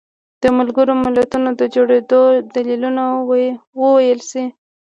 د ملګرو ملتونو د جوړېدو دلیلونه وویلی شي.